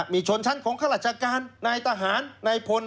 มีชนชั้นของข้าราชการนายทหารนายพล